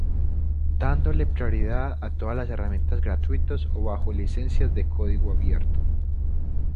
Dándole prioridad a todas las herramientas gratuitas o bajo licencias de código abierto.